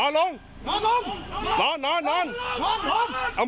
นอนลงรอนอน